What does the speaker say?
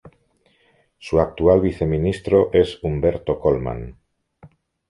Su actual viceministro es Humberto Colman.